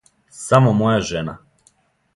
Само моја жена.